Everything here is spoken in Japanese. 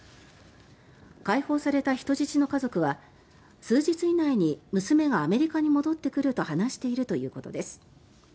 解放された人質の家族は数日以内に娘がアメリカに戻ってくると話しているということです。